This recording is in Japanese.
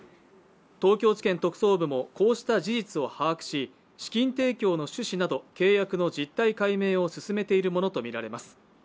東京地検特捜部もこうした事実を把握し資金提供の趣旨など契約の実態解明を進めているものとみられます。